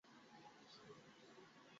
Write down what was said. মঞ্জুরী, কোথায় তুমি?